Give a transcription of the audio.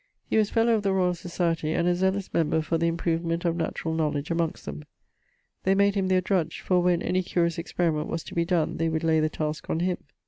He was fellowe of the Royall Societie, and a zealous member for the improvement of naturall knowledge amongst them. They made him their drudge, for when any curious experiment was to be donne they would lay the taske on him.